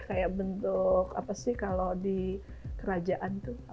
kayak bentuk apa sih kalau di kerajaan tuh